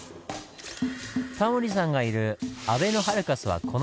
タモリさんがいるあべのハルカスはこの位置。